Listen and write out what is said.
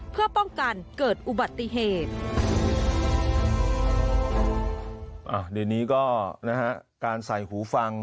เพื่อป้องกันเกิดอุบัติเหตุ